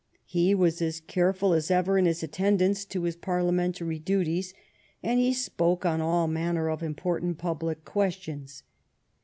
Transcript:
He was as careful as ever in his attendance to his Parliamentary duties, and he spoke on all manner of important public questions.